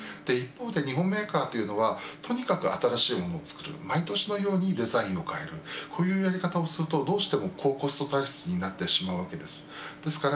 一方で日本メーカーはとにかく新しいものを作る毎年のようにデザインを変えるこういうやり方をするとどうしても高コスト体質になってしまうわけです。